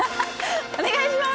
お願いします！